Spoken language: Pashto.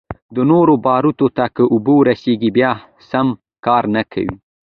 نورو باروتو ته که اوبه ورورسي بيا سم کار نه کوي.